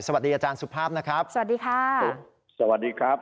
สวัสดีอาจารย์สุภาพนะครับสวัสดีค่ะสวัสดีครับ